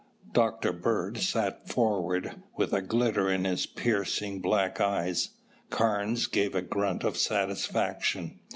Dr. Bird sat forward with a glitter in his piercing black eyes. Carnes gave a grunt of satisfaction.